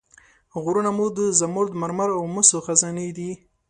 غرونه مو د زمرد، مرمر او مسو خزانې دي.